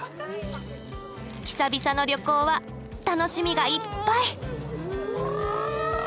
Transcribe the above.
久々の旅行は楽しみがいっぱい！